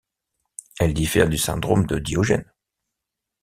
Elle diffère du syndrome de Diogène.